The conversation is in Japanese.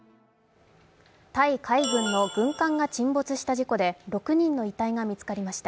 タイ海軍の軍艦が沈没した事故で６人の遺体が見つかりました。